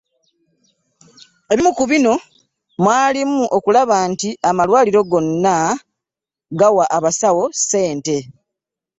Ebimu ku bino mwalimu okulaba nti amalwaliro gonna gawa abasawo ssente